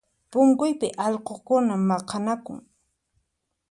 Punkuypi allqukuna maqanakun